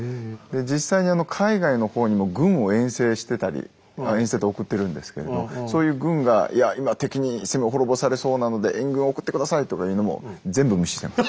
実際に海外の方にも軍を遠征してたり遠征で送ってるんですけれどそういう軍が「いや今敵に攻め滅ぼされそうなので援軍を送って下さい」とかいうのも全部無視してます。